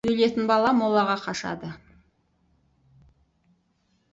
Өлетін бала молаға қашады.